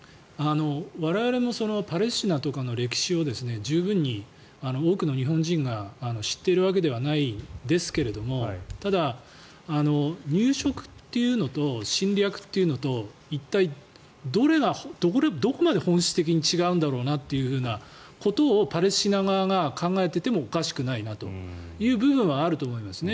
我々もパレスチナとかの歴史を十分に多くの日本人が知っているわけではないんですがただ入植というのと侵略というのと一体どれがどこまで本質的に違うんだろうというふうなことをパレスチナ側が考えていてもおかしくないなという部分はあると思いますね。